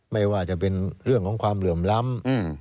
ไม่ว่าจะเป็นเรื่องของความเหลื่อมล้ำ